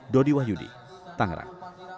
dodi wahyudi tangerang